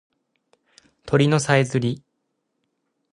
鳥のさえずり